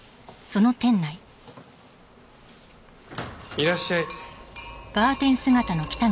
いらっしゃい。